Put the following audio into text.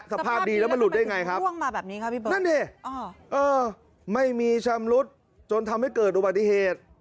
สภาพดีแล้วมันหลุดได้ไงครับนั่นเนี่ยไม่มีชำรุดจนทำให้เกิดอุบัติเหตุ